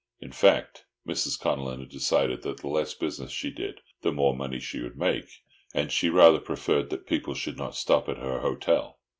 In fact, Mrs. Connellan had decided that the less business she did, the more money she would make; and she rather preferred that people should not stop at her hotel.